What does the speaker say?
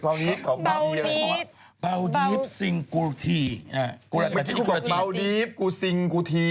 เหมือนที่เค้าบอกบาวดี๊บซิงกุธี